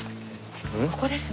ここですね。